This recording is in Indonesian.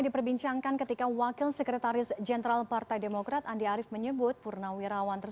diperbincangkan ketika wakil sekretaris jenderal partai demokrat andi arief menyebut purnawirawan